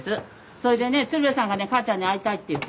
それでね鶴瓶さんが母ちゃんに会いたいって言ってくれたの。